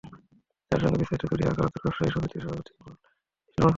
তাঁর সঙ্গে প্রস্তাবিত জুড়ি আগর-আতর ব্যবসায়ী সমিতির সভাপতি ইমরুল ইসলামও ছিলেন।